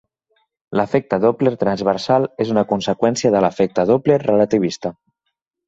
L'efecte Doppler transversal és una conseqüència de l'efecte Doppler relativista.